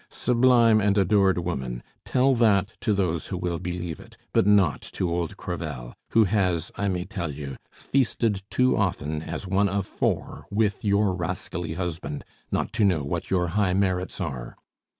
"Sublime and adored woman, tell that to those who will believe it, but not to old Crevel, who has, I may tell you, feasted too often as one of four with your rascally husband not to know what your high merits are!